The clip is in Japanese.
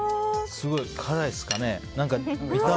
すごい辛いですかね。